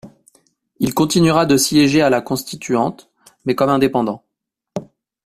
Il continuera de siéger à la Constituante, mais comme indépendant.